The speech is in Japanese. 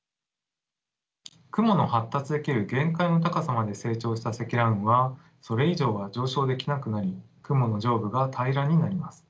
雲の発達できる限界の高さまで成長した積乱雲はそれ以上は上昇できなくなり雲の上部が平らになります。